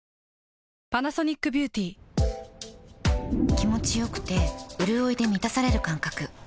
気持ちよくてうるおいで満たされる感覚